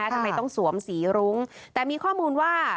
ทำไมต้องสวมสีรุ้งแต่มีข้อมูลว่า